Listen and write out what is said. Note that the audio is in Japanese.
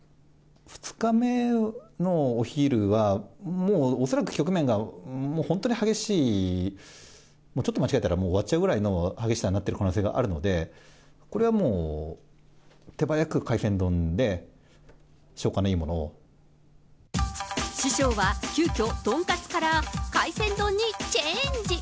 ２日目のお昼は、もう恐らく局面がもう本当に激しい、ちょっと間違えたら終わっちゃうぐらいの激しさになってる可能性があるので、これはもう、手早く海鮮丼で、師匠は急きょ、豚カツから海鮮丼にチェンジ。